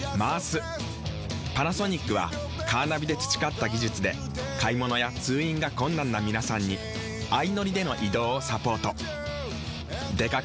パナソニックはカーナビで培った技術で買物や通院が困難な皆さんに相乗りでの移動をサポート。